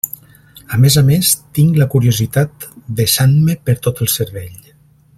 A més a més, tinc la curiositat vessant-me per tot el cervell.